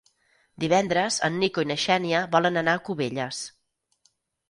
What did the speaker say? Divendres en Nico i na Xènia volen anar a Cubelles.